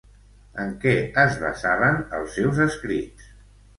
En què es basaven els seus escrits?